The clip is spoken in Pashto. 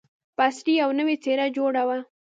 په عصري او نوې څېره جوړه وه.